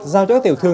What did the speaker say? giao đỡ tiểu thư